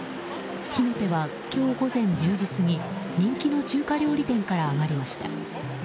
火の手は今日午前１０時過ぎ人気の中華料理店から上がりました。